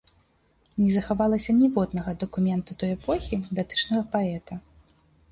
Не захавалася ніводнага дакумента той эпохі, датычнага паэта.